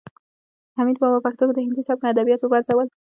حمید بابا په پښتو کې د هندي سبک ادبیات وپنځول.